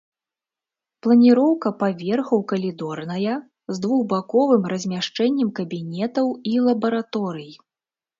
Планіроўка паверхаў калідорная, з двухбаковым размяшчэннем кабінетаў і лабараторый.